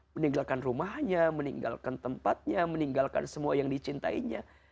meninggalkan rumahnya meninggalkan tempatnya meninggalkan semua yang dicintainya